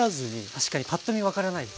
確かにパッと見分からないですね。